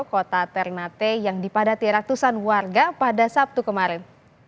kota ternate yang dipadati ratusan warga pada sabtu kemarin